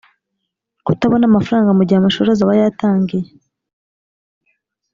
kutabona amafaranga mu gihe amashuri azaba yatangiye